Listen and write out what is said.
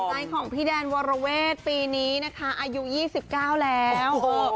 ใจของพี่แดนวรเวศปีนี้นะคะอายุ๒๙แล้ว